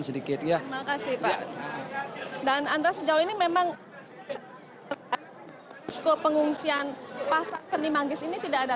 sedikit ya makasih pak dan anda sejauh ini memang posko pengungsian pasar seni manggis ini tidak ada